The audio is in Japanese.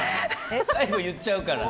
言っちゃうから。